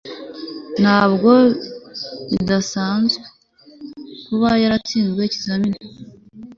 Ntabwo bitangaje kuba yaratsinzwe ikizamini